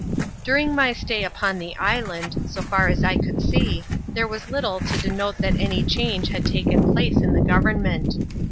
During my stay upon the i^dand, so far as I could see, there was little to denote that any change had taken place intbe i government.